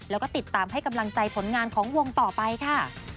แล้วก็ติดตามให้กำลังใจผลงานของวงต่อไปค่ะ